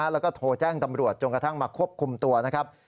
และทอแจ้งจงกระทั่งมาควบคุมตัวนะครับ